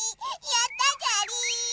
やったじゃりー。